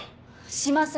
しません！